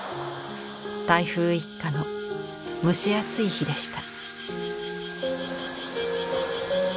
台風一過の蒸し暑い日でした。